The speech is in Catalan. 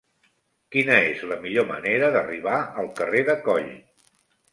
Quina és la millor manera d'arribar al carrer de Coll?